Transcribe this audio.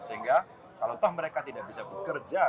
sehingga kalau toh mereka tidak bisa bekerja